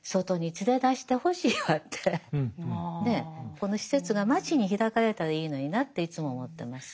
この施設が街に開かれたらいいのになっていつも思ってます。